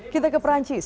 kita ke perancis